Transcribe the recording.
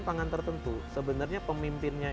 pangan tertentu sebenarnya pemimpinnya